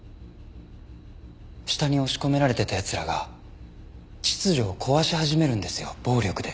下に押し込められてた奴らが秩序を壊し始めるんですよ暴力で。